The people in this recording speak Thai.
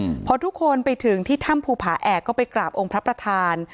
อืมพอทุกคนไปถึงที่ถ้ำภูผาแอกก็ไปกราบองค์พระประธาน